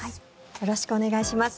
よろしくお願いします。